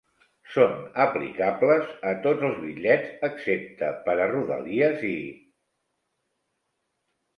Són aplicables a tots els bitllets, excepte per a Rodalies i.